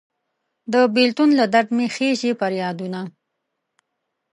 د بیلتون له درد مې خیژي پریادونه